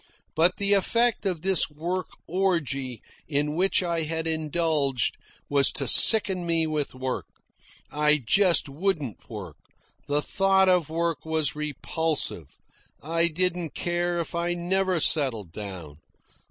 But the effect of this work orgy in which I had indulged was to sicken me with work. I just wouldn't work. The thought of work was repulsive. I didn't care if I never settled down.